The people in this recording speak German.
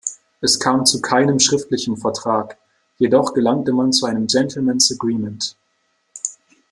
Es kam zu keinem schriftlichen Vertrag, jedoch gelangte man zu einem Gentlemen’s Agreement.